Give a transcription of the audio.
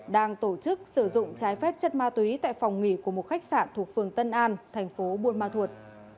đang tổ chức sử dụng trái phép chất ma túy tại phòng nghỉ của một khách sạn thuộc phường tân an thành phố buôn ma thuột